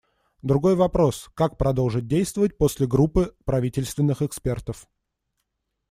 Другой вопрос: как продолжить действовать после группы правительственных экспертов?